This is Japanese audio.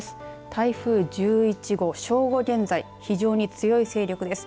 台風１１号、正午現在非常に強い勢力です。